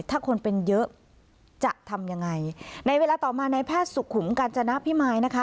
ถ้าคนเป็นเยอะจะทำยังไงในเวลาต่อมาในแพทย์สุขุมกาญจนพิมายนะคะ